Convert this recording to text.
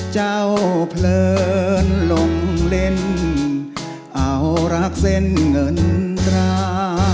เพลินลงเล่นเอารักเส้นเงินตรา